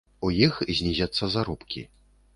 У іх знізяцца заробкі.